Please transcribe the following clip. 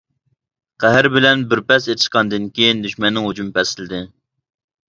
قەھر بىلەن بىر پەس ئېتىشقاندىن كېيىن، دۈشمەننىڭ ھۇجۇمى پەسلىدى.